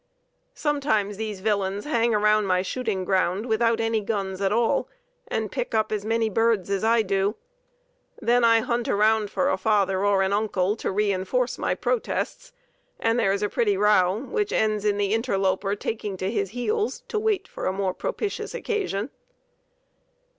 Sometimes these villains hang around my shooting ground without any guns at all, and pick up as many birds as I do. Then I hunt around for a father or an uncle to reinforce my protests and there is a pretty row which ends in the interloper taking to his heels to wait for a more propitious occasion.